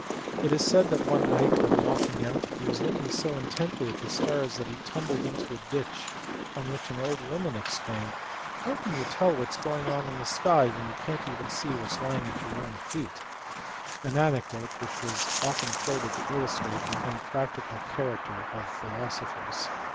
It is said that, one night, when walking out, he was looking so intently at the stars that he tumbled into a ditch, on which an old woman exclaimed " How can you tell what is going on in the sky when you can t see what is lying at your own feet ?" an anecdote which was often quoted to illustrate the un practical character of philosophers.